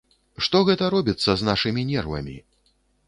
Што гэта робіцца з нашымі нервамі?